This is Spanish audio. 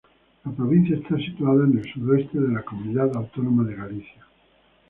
La provincia está situada al suroeste de la comunidad autónoma de Galicia.